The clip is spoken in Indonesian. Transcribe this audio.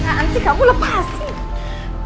ansi kamu lepasin